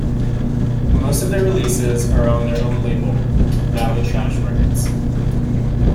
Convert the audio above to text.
Most of their releases are on their own label, Valley Trash Records.